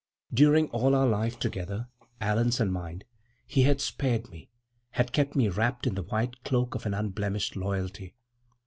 During all our life together, Allan's and mine, he had spared me, had kept me wrapped in the white cloak of an unblemished loyalty.